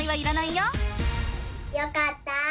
よかった！